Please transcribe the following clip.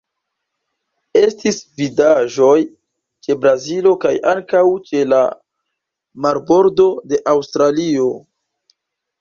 Estis vidaĵoj ĉe Brazilo kaj ankaŭ ĉe la marbordo de Aŭstralio.